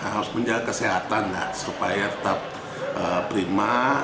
harus menjaga kesehatan supaya tetap prima